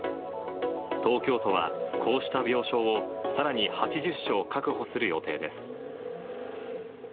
東京都は、こうした病床をさらに８０床確保する予定です。